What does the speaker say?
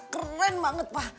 keren banget pa